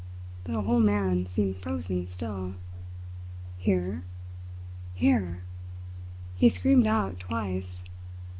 The whole man seemed frozen still. "Here! Here!" he screamed out twice.